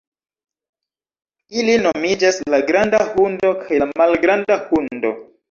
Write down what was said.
Ili nomiĝas la Granda Hundo kaj la Malgranda Hundo.